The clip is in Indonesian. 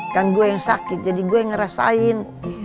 kan gue yang sakit jadi gue ngerasain